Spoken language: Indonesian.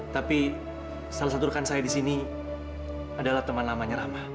tapi salah satu rekan saya di sini adalah teman lamanya rama